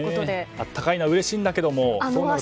暖かいのはうれしいんだけれども。